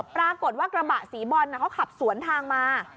ปรากฏว่ากระบะสีบอลเขาขับสวนทางมา